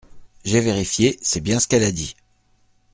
J’ai vérifié, c’est bien ce qu’elle a dit.